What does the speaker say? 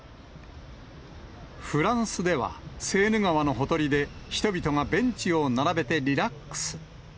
フランスでは、セーヌ川のほとりで、人々がベンチを並べてリラックス。